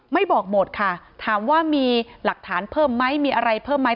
ไม่บอกหมดค่ะถามว่ามีหลักฐานเพิ่มไหมมีอะไรเพิ่มไหม